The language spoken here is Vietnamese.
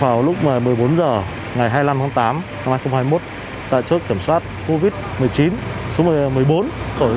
vào lúc một mươi bốn h ngày hai mươi năm tháng tám năm hai nghìn hai mươi một tại chốt kiểm soát covid một mươi chín số một mươi bốn tổ